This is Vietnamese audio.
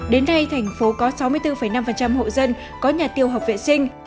đến nay tp hcm có sáu mươi bốn năm hộ dân có nhà tiêu học vệ sinh